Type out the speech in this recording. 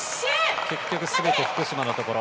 結局全て福島のところ。